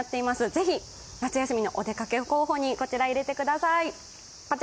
ぜひ、夏休みのお出かけ候補にこちら入れてください。